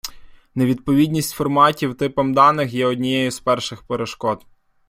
Невідповідність форматів типам даних є однією з перших перешкод.